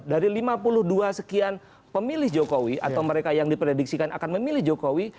dari lima puluh dua sekian pemilih jokowi atau mereka yang diprediksikan akan memilih jokowi